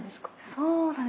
そうだね